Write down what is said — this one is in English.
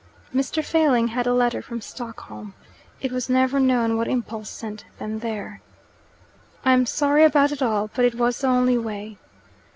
Mr. Failing had a letter from Stockholm. It was never known what impulse sent them there. "I am sorry about it all, but it was the only way."